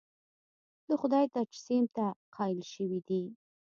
د خدای تجسیم ته قایل شوي دي.